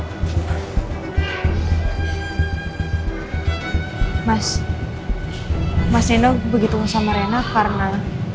mas mas reno begitu sama rena karena